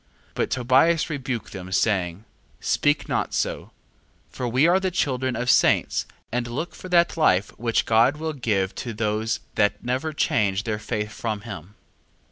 2:17. But Tobias rebuked them, saying: Speak not so: 2:18. For we are the children of saints, and look for that life which God will give to those that never change their faith from him.